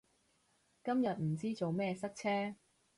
今日唔知做咩塞車